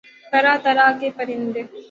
طرح طرح کے پرندے